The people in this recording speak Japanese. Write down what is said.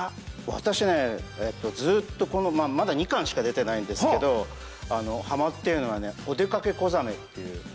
私ねずっとまだ２巻しか出てないんですけどハマってるのが『おでかけ子ザメ』っていう。